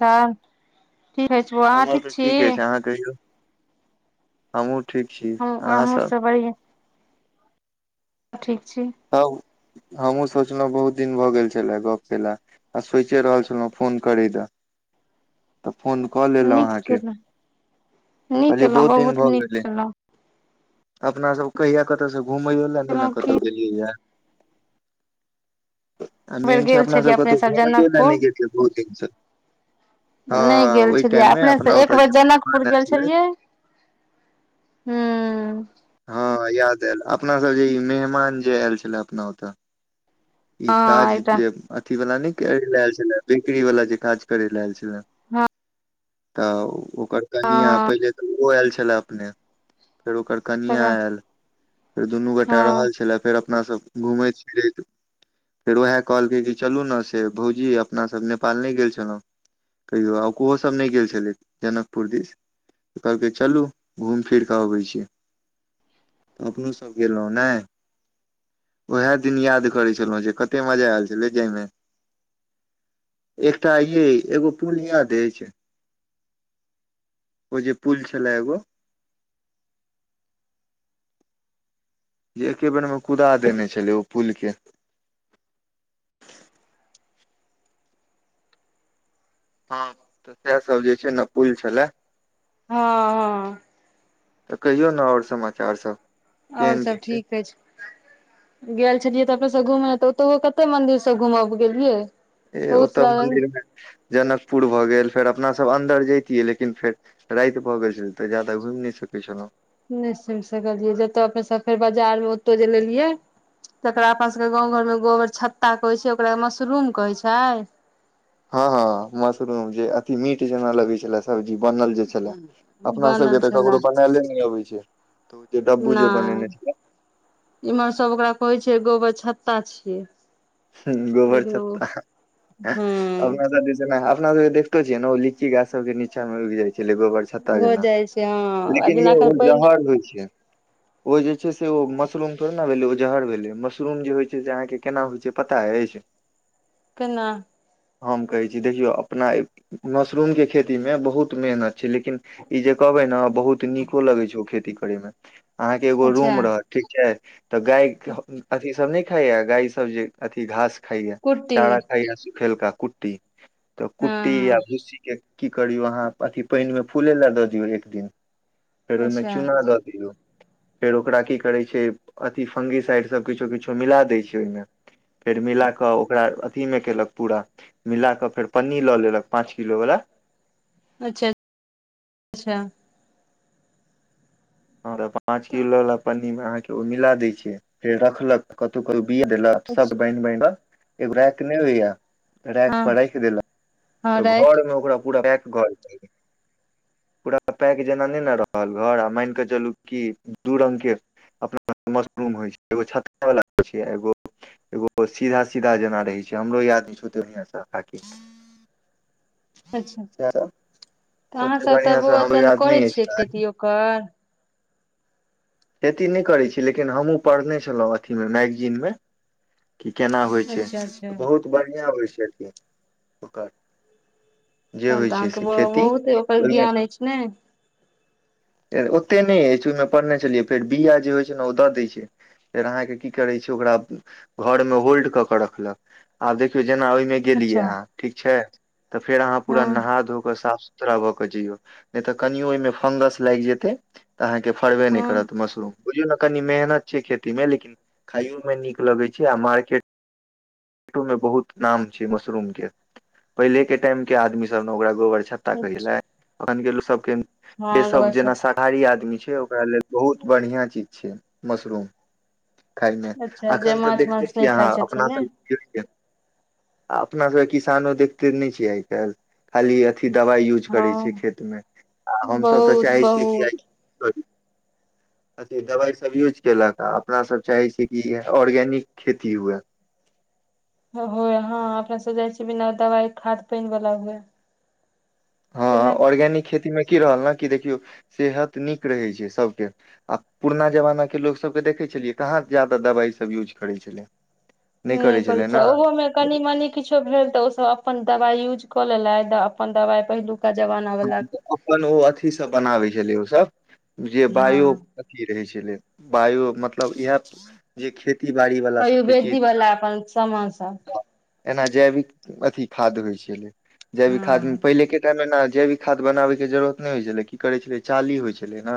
त। ठीक है छौ अहाँ ठीक छी। हम। ह आ मुर् सब बड़िए। ठीक। ह। हमहुँ सोचलहुँ बहुत दिन भऽ गेल छ छलै गप केला आ सोईचे रहल छलहुँ फोन करै द। अ फोन कऽ लेलहुँ नीक अहाँके केलहुँ नीक कहलियै एयलहुँ दिन बहुत भऽ गेलै नीक एयलहुँ। अपना सब कहिया कतऽ सब। घुमै नहि ने कहलहुँ की कतहु गेलियैय। आ एक बेर मेन छै गेल अपना छलियै सब अपने कतऊ घुमईयो लै जनकपुर नहि गेलिय ई बहुत दिन से। हँ नहि गेल ओहि छलियै टाइम मे अपने अपना ओत जे [unintelligible] ऐल छलै। हूं हँ याद आयल अपनासभ जे ई मेहमान जे आयल छलय अपना ओतऽ ई हँ काज एकटा जे अथ ई वला ने करे लै ऐल छले बेकरी बला जे काज करे लै ऐल छले। हँ तऽ ओ ओकर कनिया हँ पहिले तऽ ओ आयल छलै लै अपने फेर ओकर कनियां तकर आयल। फेर दुनू गोटा हँ रहल छलै फेर अप अपना सब घुमैत फिरैत फेर ओहे कहलकै कि चलू ने से भौजी अपना सब नेपाल नहि गेल छलहुँ कहियो आ ओहो सब नहि गेल छलै जनकपुर दिस तऽ कहलकै चलू घुमि फिर कऽ अबै छी। अपनो सब गेलहुँ ने उएह दिन याद करै छलहुँं जे कते मजा आयल छलै जाहिमे। एकटा ये एगो पुल याद अछि ओ जे पुल छलै एगो जे एके बेरमे कुदा देने छलै ओ पुल के। हँ तऽ सएह सब जे छै ने पुल छलै। हँ हँ तऽ कहियौ ने आओर समाचार सब। आओर केहन की सब छै ठीक अछि। गेल छलियै तऽ अपने सब घूमै तऽ ओतहु कते मंदिर सब घूमब गेलियै ए बहुत ओतऽ सारा मंदिर मे जनकपुर भऽ गेल फेर अपना सब अन्दर जैतियै लेकिन फेर राति भऽ गेल छलै तऽ जादा घुमि नहि सकै छलहुँ। नहि सुनि सकलियै। जतय अपने सभ फेर बाजारमे ओतय जे लेलियै जकरा अपना सभके गाँव घरमे गोबर छत्ता कहै छै ओकरा मशरूम कहै छै? हँ हँ मशरूम जे अथी मीट जेना लगे छलै सब्जी बनल जे छले अपना सब के बनल त छलए ककरो बनैले न अबै जे तऽ ओ डब्बू जे बनेने नहि इमहर सब ओकरा कहै छै ऐ गोबर छत्ता छियै। हं गोबर लेकिन ओ छत्ता है हँ अपना सब दिस एना अपना सब जे देखतो छियई न ओ लीची गाछ सब के नीचा मे उगि जाइ छै छलै गोबर छत्ता हो जेना। जाइ छै हँ आ लेकिन जेना यौ एखन ओ पानि जहर होइ छै। ओ जे। [unintelligible] जे छै से ओ मशरूम पर। केना भेल ओजहर भेलै मशरूम जे होइ छै से अहाँ के केना होइ छै। पता ह छै। [unintelligible] केना? हम कहै छी देखियौ अपना ए मशरूम के खेती मे बहुत मेहनत छै लेकिन ई जे कहबै न बहुत नीको लगै छै ओ खेती करमे। [unintelligible] अहाँ के एगो अच्छा रूम रहत ठीक छै। तऽ गाय -अथी सब नई। खायइा गााय सब्जी। [unintelligible] अथी घास। [unintelligible] खाय कुट्टी चारा खाय। फेलका कुट्टी। [unintelligible] तऽ हँ कुट्टी या हँ भुस्सीे के। की करियौ अहाँ -अथिी पानिमे फूले लए दऽ दियौ एक दिन। फेर ओहिमे अच्छा चूना दऽ दौ। [unintelligible] फेर ओकरा की करैत छै अथि फंगिसाइड सभ किछो किछो मिला दैत छै ओहिमे। [unintelligible] फेर मिला कऽ ओकरा। [unintelligible] अथी मे केलक पूरा मिला क फेर पन्नी लऽ लेलक पाँच किलो वालला। अच्छा -अच्छा। आर। [unintelligible] पाँच किलो वाला पनी मे अहां के। ओ मिला दै छै फेर रखलक कत क। ब सब बन बन। एग्रक नहि होै या। र हँ पढ़ा क देलो। हँ तऽ घर राखि मे ओकरा। पू पै घर च पूरा पैक जेना नहि ने रहल घर आ मान कऽ चलू क दू रंगग के अपना मशरूम होइ छैगो व छै एगो एगो सीधा सीधा जेना रहै छै हमरो याद छैत बढ़ाकि। अच्छा। [unintelligible] तऽ ओते अहाँसभ बढ़िया तऽ से हमरो ओत याद करै नहि अछि छियै खेती ओकर। [unintelligible] खेती नहि करैत छी लेकिन हमहूँ पढ़ने छलहुँ अथीमे मैगजीनमे। [unintelligible] की केना होइ छै अच्छा अच्छा बहुत बढ़िया होइ छै। ठ ओकर। [unintelligible] जे तखन होइ तऽ छै अहाँके से खेती बहुत ओकर ओहिमे ज्ञान अछि ने। ओते नहि अछि ओहिमे पढ़ने छलियै फेर बिया जे होइत छै ने ओ दऽ दै छै फेर अहाँके की करै छै ओकरा घर मे होल्ड कऽ के रखलक आब देखियौ जेना ओहिमे गेलियै अच्छा अहाँ ठीक छै तऽ फेर अहाँ पूरा हँ नहा धो कऽ साफ जइय नहि तऽ कनोहि फंगस [unintelligible] लागि जेतै। [unintelligible] तऽ अहाँके फड़बे नहि हँ करत मशरूम। बुझौ ने कनि मेहनत छै खेती मे लेकिन खाइयो मे नीक लगे छै आ मार्केटटो में बहुत नाम छै मशरूम के पहिले के टाइम के आदमी सब ने ओकरा गोबर छता कहि अच्छा लै। अान गेलो सबके जे हँ। सब गोबर जेना छथि शाकाहारी आदमी छै। ओकरा लेल बहुत बढ़िआँ चीज छै मशरूम। खाायमे अच्छा जे एखन तऽ माछ देखते मांस छियै नहि खाइ अहाँ छथिन ने अपनासभ अपना सबके किसानो देखते नहि छै आइ काल् खाली अथी दा यूज करै छ हँ खेत मे आ सत छै बहुत आइ छै की आइ। बहुत अथे दबाइसभ यूज कयेलक आ अपनासभ चाहै छियै कि ऑर्गेनिक खेती हुए। होय हँ अपना सब जाइ बिना दवाइ खाद पानि वाला हुए। हँ केना ऑर्गेनिक खेती मे की रहल ने कि देखियौ सेहत नीक रहैत छै सभके आ पुरना जमानाके लोकसभके देखै छलियै कहाँ जा्यादा दबाइसभ यूज करै छलै। नहि करै छलै करैत ने छै ओहोमे कनि मनी किछो भेल तऽ ओसभ अपन दबाइ यूज ल लै अपन दबाइ पहि ल ह अपन ओ अथीसँ बनाबै छै बझलियौ सब। जे बायो हँ पी रहै छै। बायु मतलब इएह जे खेती बाड़ी वाला अइ सबके भेज चीज दी बला अपन समोसा। एना जैविक अथ खादाद्य होइ छै। जैविक खाद हँ पहिलेके टाइममे ने जे भी खाद बनाबैके जरूरत नहि होइ छलै की करै छलै चाली होइ छलै ने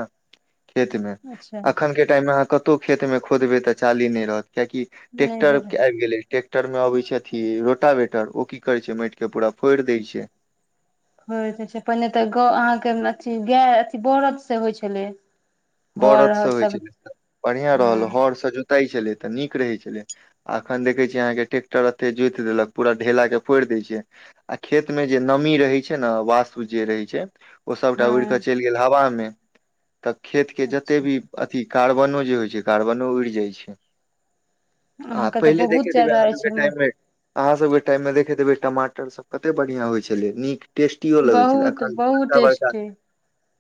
खेत मे अच्छा अखन के टाइम मे अह क को खेत मे खोदबे तऽ चाली नहि रहत। कियेकि नहि ट्रैेक्टरो भेलै के आबि गेलै ट्रेक्टर मे अबै छै अथी रोटावेटर ओ की करै छै माटि के पूरा फोड़ि दय छै। [unintelligible] पहिने तऽ गौ अहाँके अथी गाय अथी बरद से होइ छलै। हर बरदस हर होई सब छलै बढ़ियां रहल हँ हरस जोताइ छलै। तऽ नीक रहैत छलै आ एखन देखैत छियै अहाँके ट्रैेक्टर एतय जोति देलक पूरा ढेलाकेँ पोड़ि दैत छै आ खेतमे जे नमी रहैत छै ने वास्तु जे रहैत छै। ओ सबटा उड़ के हँ चलि गेल हवा मे। तऽ खेत के जते अच्छा भी अथी कार्बनो जे होइ छै कार्बनो उड़ि जाइ छै। आ अहाँके तऽ पहिले बहुत देखेेतई वैह ज्यादा आजू के अछि टाइम मे अहाँ सब के टाइम मे देखैत हेबै टमाटर सब कते बढ़िया होइ छलै नीक टेस्टियो लगै छल बहुत एखन बहुत दवाई दै देत टेस्टी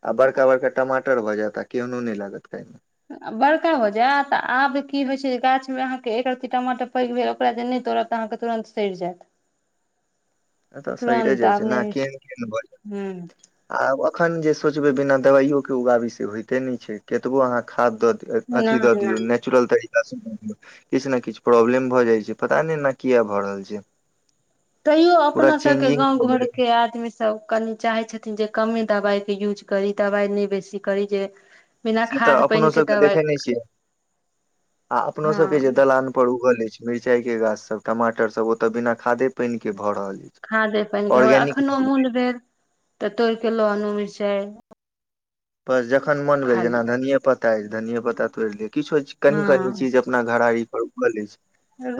आ बड़का बड़का टमा टर भऽ जैत आ केहनो नहि लागत खाईमें आ बड़का भऽ जायत आ आब की होइ छै जे गाछमे अहाँके एक रत्ती टमाटर पैघ भेल ओकरा जे नहि तोड़ब तऽ अहाँके तुरन्त सड़ि जायत। एतऽ सईरे तुरन्त जाइ छै आब ना। नहि होइ केहन केहन भ हूँ [unintelligible] आब अ अखन जे सोचबै बिना दवाइयो के उगाबी से होइते नहि छै, केतबो अहाँ खाद दऽ दि अथी दऽ नहि दियौ नहि नेचुरल तरी [unintelligible] किछु ने किछु प्रॉब्लम भऽ जाइ छै पता नहि ऐना किए भऽ रहल छै। तैयो पूरा अपना सबके चेंजिंग गाँंव भऽ घर गेलै के आदमी सभ कनि चाहै छथिन जे कमे दबाई के यूज करी दबाई नहि बेसी करी जे बिना से तऽ खाद अपनो पानि सब के दवाइ देखे ने छियै आ अपनो सब के हँ जे दलान पर उगल अछि। मिरचाई के गाछ सब टमाटर सब ओत बिना खादे पानि के भऽ रहल अछि खादे पानि के वैह ऑर्गेनिक अखनो भऽ गेल, मोन भेल तऽ तोईड़ के लो आनू। मिर्चाई पर जख जखन मोन भेल जेना धनिए पत्ता अछि धनिये पता तोड़ि लिय। किछो कनी कनी हँ चीज अपना घरारी रोपल अछि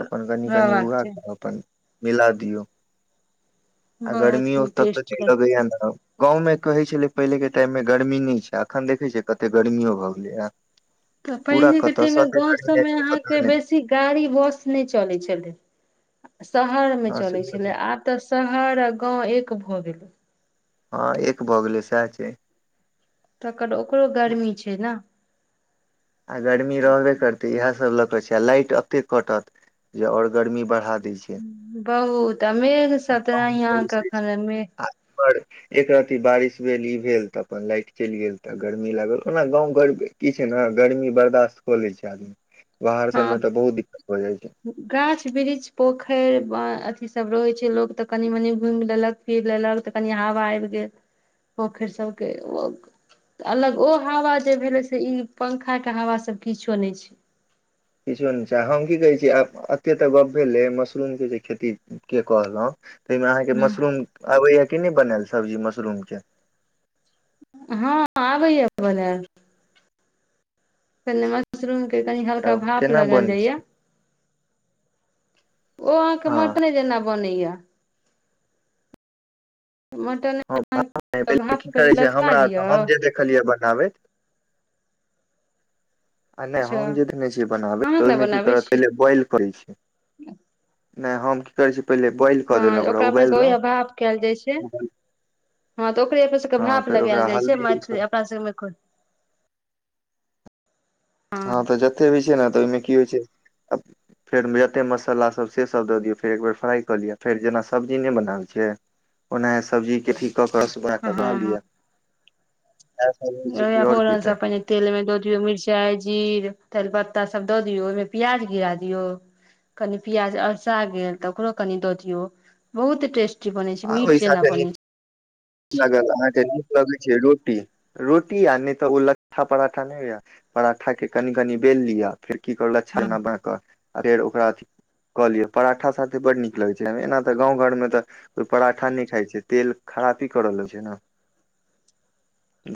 अपन कनी कनी उगा चाही क अपन मिला दियौ आ बहुत गरमीयो तत्त नै टेस्टी लग लगैयै न गाँव में कहई छलै पहिले के टाइम में गर गर्मी न छै अखन देखे छियै कते गर्मियो भऽ गेलैए तऽ पहिनेकेटाईममे गाँव सभमे पता अहाँके नहि बेसी गाड़ी बस नहि चलै छलै शहरमे हँ से चलै छलै आब तऽ स शहर आ गाँंव एक भए गेलै। हँ एक भऽ गेलै सएह छै। तकर ओकरो गर्मी छै ने। आ गर्मी रहबे करतै यैह ल क छई आ लाईट अत्ते कटत जे और गर्मी बढ़ा दे बहुत आ मेघ सेतेनाही अहांके कखनमे आ एक रती बारिश भेल ई भेल तऽ अपन लाइट चलि गेल तऽ गर्मी लागल ओना गाँंव घर क छै ने गर्मी बर्दाास्त हो ले छै आदमी। बाहर सबमे हँ तऽ बहुत दिक्कत भऽ जाइ छै गाछ बृीच पोखरि ब अथी सभ रहै छै लोक तऽ कनि मनि घुमि लेलक फिर लेलक तऽ कनि हवा आबि गेल पोखरि सभके ओ अलग ओ हवा जे भेलै से ई पंखाके हवा सभ किछो नहि छै। किछो नहि छै हम की कहै छी एतेक तऽ गप्प भेलै मशरूमके जे खेती के कहलहुँ ताहिमे मे अहाँके हूँ मशरूम आबैया के नहि बनाल सब्जी मशरूम के। हँ आबैय बोल क म मशरूम कनी हल्का तऽ भाप केना लगल बनै जाइया। छै ओ आ क हँ मट नहि देना बनय। मटन हँ की भाप करै छै लगा हमरा दियौ हम जे देखलियै जााबद आ नहि अच्छा हम जे देने छियै बनाबै अहाँ तऽ केना ओहिमे की बनाबै करत छी पहिले बोइल करै छी नहि हम की करै छी त बॉइल कऽ हँ देलहु ओरा ओकरा अपना सबके ओहिया भाप कयल उबाललहु े सबके भााप लगायल जाइ छै मैथिल अपना सबमे- हँ तऽ जत्थे भी छै ने तऽ ओहिमे की होइ छै फेर जते मसाला सब से सब दऽ दियौ फेर एकबेर फ्राई कऽ लिअ फेर जेना सब्जी नहि बनाल छै ओनाहे सब्जीकेथ क से बना कऽ बना लिअ। इएह सब होइ छै कि आओर की ो तऽ पने तेल में दोधियो मिर्चाइ जीर तजपत्ता सब द दियऔ ओहिमे प्याज गिरा दियऔ कनि प्याज अलसा गेल तऽ ओकरो कनि दऽ दियऔ बहुत टेस्टी बनै छै मीट जेना बनै छै। लागत अहाँकेँ नीक लगैत छै रोटी रोटी आ नहि तऽ ओ ल्ठा पराठा नहि होइए पराठाके कनि कनि बेल लिअ फेर की करल छै छ न हँ बक आ फेर ओकरा अथी कऽ लियअ पराठा साथे बड नीक लगै छै एना तऽ गाँव घरमे तऽ कोइ पराठा नहि खाइ छै तेल खराब ी करल छै ने।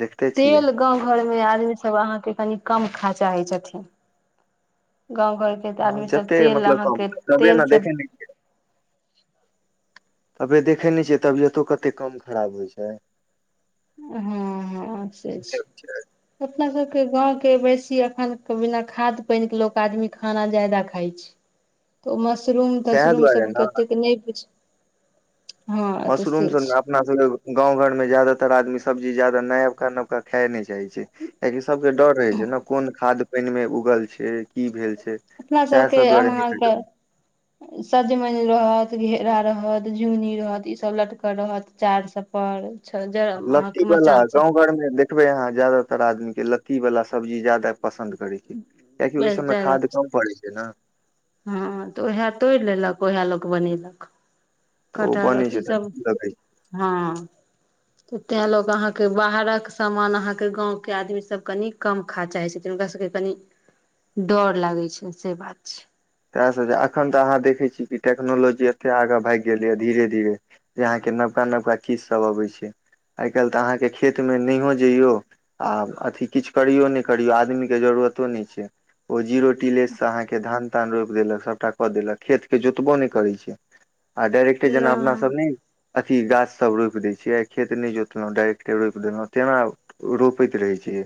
देखते छियै तेल गाँव घरमे आदमीसभ अहाँके कनि। कम खा चाहै छथिन। गाँं घर के तऽ हँ आदमी सब जते तेल मतलब कम अहाँके तबे तेल ने सब। देखे नहि तबे देखै नहि छियै तबियतो कते कम खराब होइ छै। हँ हँ से छै अपना सब के गाँंव के बेसी अखन बिना खाद पानि के लोक आदमी खाना ज्यादा खााय छै तऽ ओ। मशरूम सएह तशरूम सब दुआरे ने केतेक नहि पुछ। मशरूम सब अपना सब गाँव घर मे जदातर आदमी सब। सब्ी जादा नयवका नबका खायइ छै। छै कियाकि सबके डर रहै छै ने कोन खाद। पैन मे उगल छै की भेल छै। अपना सएह सबके सब दुआरे नहि अहाँके खरीद। सजमनि रहत। घेरा रहत झुनी रहत ई सब लटक रहत चार सब पर। लत्ती अहाँके वालला मचान सब गाँं घरमे देखबै अहाँ ज्यदातर आदमी के लत्त। प्ती बला सब्जी ज्यादा। पसन्द करैत छी कियकि ओहि बैस सबमे खाद जायलक कम पड़ै छै ने। हँ तऽ उएह तोड़ि लेलक उएह लोक बनेलक। तऽ ओ बनै छै तऽ कटहरतसभ नीक लगै छै हँ। तऽ तें ल अहाँके बाहरक सामान अहाँके गाँंव के आदमी सब कनि कम खा चाहे छथिन हुनका सबके कनि डर लागे छ से बात छै। तएसभ जे एखन तऽ अहाँ देखैत छीय कि टेक्नोलॉजी एतेक आगाँ भागि गेलैए धीरे धीरे जे अहाँके नवका नवका चीजसभ अबैत छै आइ काल्हि तऽ अहाँके खेतमे नहिो जइयौ आ अथी किछु करियो नहि करियौ आदमीके जरूरतो नहि छै ओ जीरो टीलेससँ अहाँके धान। कान रोपि देलक सभटा कऽ देलक खेत के जोतबो नहि करै छै। आ डाइरेक्टे जेना अपना सब नहि ने। अथि गाछसभ रोपि दैत छियै आ खेत नहि जोतलहुँ डायरेक्टे रोपि देलहुँ तेना रोपैत रहैत छैियै।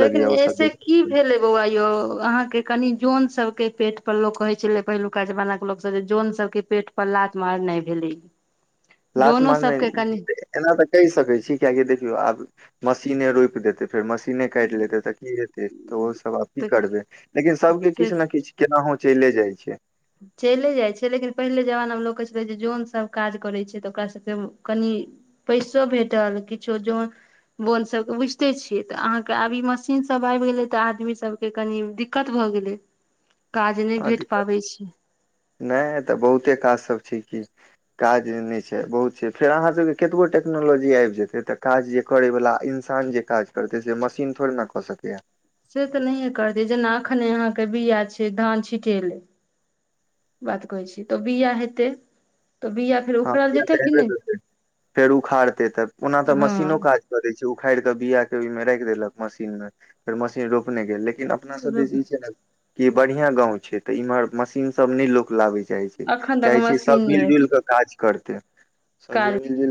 लेकिन ऐसे की भेलै बौआ यौ अहाँके कनि जन सबके। पेट पर लोक कहै छलै पहिलुका जमाना के लोक सब जे जन सबके पेट पर लाातमार नहि भेलै। लात जनो मारने सबके कनि एना तऽ कहि सकै छी कक देखियौ आब। मशीने रोपि देत। फेर मशीने काटि लेतै त की हते। तऽ ओ सब अथी तऽ करबे लेकिन सब के किछु ने किछ केना हो।। चले जाइ छियै। चलिे जाइ छै लेकिन पहिले जमानामे लोक कहै छलै जे जनसभ काज करै छै तऽ ओकास सभके कनि पैसो भेटल किछो जन बोन सभके बुझिते छियै तऽ अहाँके आब ई मशीनसभ आबि गेलै तऽ आदमी सभके कनि दिक्कत भऽ गेलै। काज नहि हँ भेट दिक्कत पाबै छै। नहि तऽ बहुते काजसभ छै कि काज नहि छै बहुत छै फेर अहाँसभके कतबो टेक्नोलॉजी आबि जेतै तऽ काज जे करयवला इन्सान जे काज करतै से मशीन थोड़े ने कऽ सकैए। से तऽ नहिए करतै जेना एखने अहाँके बीआ छै धान छिट ल बात कहै छी तऽ बीआ हेतै। [unintelligible] फेर हँ उखड़ल जेतै तऽ कि हेबे नहि करतै फेर उखाड़तै तऽ ओना तऽ हँ मशीनो काज करै छै। उखाड़िक बीिया केहिमे राखि देलक मशीन मे फेर मशीन रोपने गेल लेकिन। लेकिन अपना सब देस ई छै ने। क बढ़िया गांव छै ते इम्हर मशीन सब ने लो लाबे छै। च छी एखन तक चाहै छी सब मशीने मिल जुल कऽ। काज करत। [unintelligible] काज सब्जी।